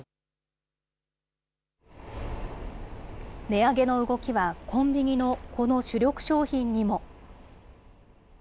値上げの動きはコンビニのこの主力商品にも。